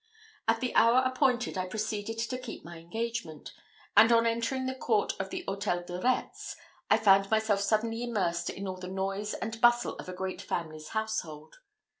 At the hour appointed, I proceeded to keep my engagement; and on entering the court of the Hôtel de Retz, I found myself suddenly immersed in all the noise and bustle of a great family's household.